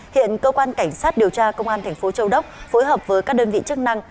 hiện cơ quan cảnh sát điều tra công an thành phố châu đốc phối hợp với các đơn vị chức năng